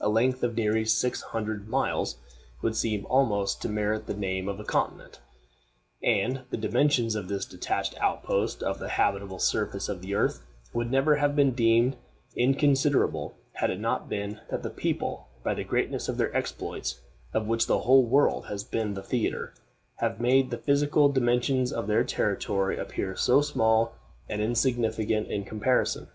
A length of nearly six hundred miles would seem almost to merit the name of continent, and the dimensions of this detached outpost of the habitable surface of the earth would never have been deemed inconsiderable, had it not been that the people, by the greatness of their exploits, of which the whole world has been the theater, have made the physical dimensions of their territory appear so small and insignificant in comparison.